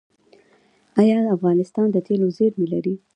آیا افغانستان د تیلو زیرمې لري؟